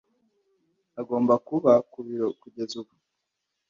Agomba kuba ku biro kugeza ubu.